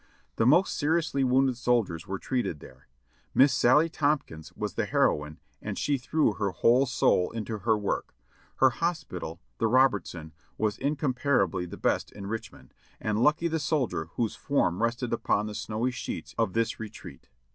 The most seriously wounded soldiers were treated there. Miss Sallie Tompkins was the heroine and she threw her whole soul into her work ; her hospital, "The Robertson," was incom parably the best in Richmond, and lucky the soldier whose form rested upon the snowy sheets of this retreat.